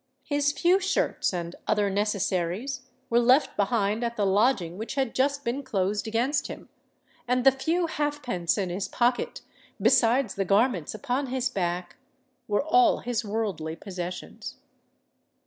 His few shirts and other necessaries were left behind at the lodging which had just been closed against him; and a few halfpence in his pocket, besides the garments upon his back, were all his worldly possessions.